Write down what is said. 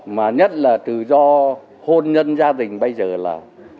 mà nhất là từ do hôn nhân gia đình bây giờ là